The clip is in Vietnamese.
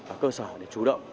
ở cơ sở để chủ động